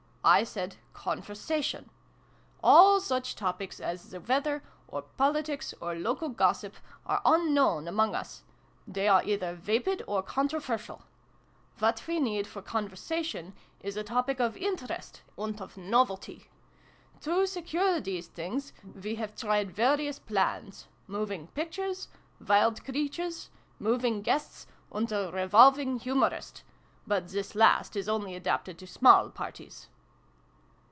I said 'conversa tion.' All such topics as the weather, or politics, or local gossip, are unknown among us. They are either vapid or controversial. What we need for conversation is a topic of interest and of novelty. To secure these things we have tried various plans Moving Pictures, Wild Creatures, Moving Guests, and a Revolving Humorist. But this last is only adapted to small parties."